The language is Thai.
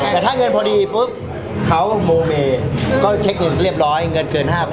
แต่ถ้าเงินพอดีปุ๊บเขาโมเมก็เช็คเงินเรียบร้อยเงินเกิน๕๐๐๐